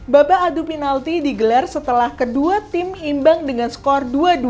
babak adu penalti digelar setelah kedua tim imbang dengan skor dua dua